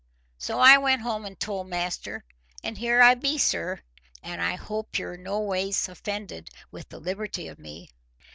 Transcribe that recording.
So I went home and told master, and here I be, sir. And I hope you're noways offended with the liberty of me."